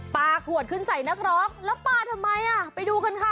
ปลาขวดขึ้นใส่นักร้องแล้วปลาทำไมอ่ะไปดูกันค่ะ